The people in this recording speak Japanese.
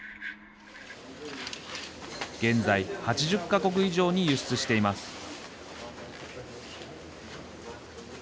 現在、８０か国以上に輸出しています。